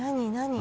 何？